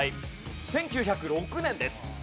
１９０６年です。